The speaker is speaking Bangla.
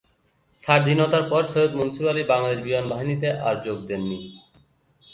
স্বাধীনতার পর সৈয়দ মনসুর আলী বাংলাদেশ বিমানবাহিনীতে আর যোগ দেননি।